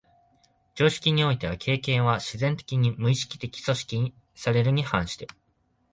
常識においては経験は自然的に、無意識的に組織されるに反して、